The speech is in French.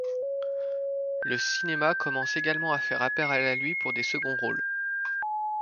Le cinéma commence également à faire appel à lui pour des seconds rôles.